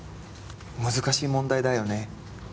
「難しい問題だよね」。